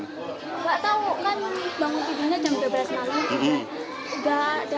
gak tahu kan bangun tidinya jam dua belas malam gak ada airnya rumahnya